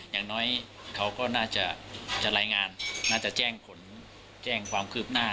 อย่างน้อยเขาก็น่าจะรายงานน่าจะแจ้งผลแจ้งความคืบหน้า